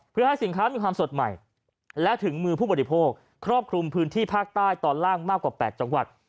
เพื่อให้สินค้ามีความสดใหม่และถึงมือผู้บริโภคครอบคลุมพื้นที่ภาคใต้ตอนล่างมากกว่า๘จังหวัด